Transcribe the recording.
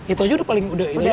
itu aja udah paling udah